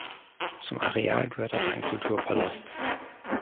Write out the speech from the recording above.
Zum Areal gehört auch ein Kulturpalast.